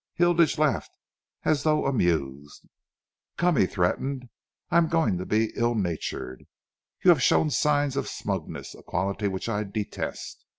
Hilditch laughed as though amused. "Come," he threatened, "I am going to be ill natured. You have shown signs of smugness, a quality which I detest.